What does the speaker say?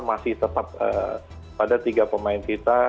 masih tetap pada tiga pemain kita